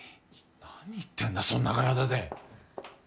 何言ってんだそんな体で。